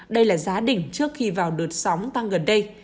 đây là giá đỉnh trước khi vào đợt sóng tăng gần đây